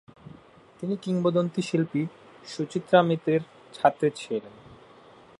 তিনি কিংবদন্তি শিল্পী সুচিত্রা মিত্রের ছাত্রী ছিলেন।